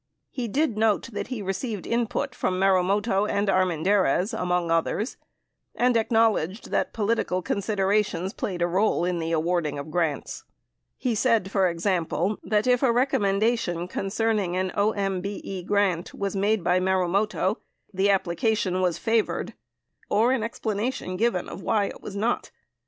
He did note that he received input from Marumoto and Armen dariz, among others, and acknowledged that political considerations played a role in the awarding of grants. He said, for example, that if a recommendation concerning an OMBE grant was made by Marumoto, the application was favored or an explanation given why it was not.